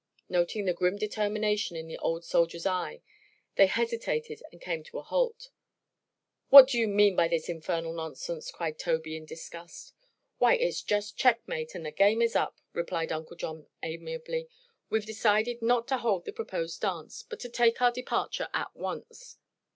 Noting the grim determination in the old soldier's eye, they hesitated and came to a halt. "What do you mean by this infernal nonsense?" cried Tobey, in disgust. "Why, it's just checkmate, and the game is up," replied Uncle John amiably. "We've decided not to hold the proposed dance, but to take our departure at once."